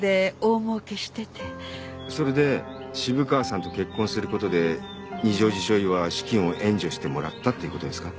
それで渋川さんと結婚することで二条路醤油は資金を援助してもらったっていうことですか？